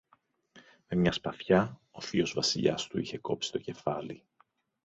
Με μια σπαθιά ο θείος Βασιλιάς του είχε κόψει το κεφάλι.